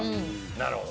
なるほど。